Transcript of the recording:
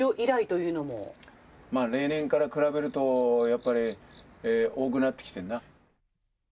まあ例年から比べると、やっぱり多くなってきてるな。